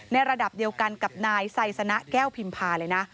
ระดับเดียวกันกับนายไซสนะแก้วพิมพาเลยนะ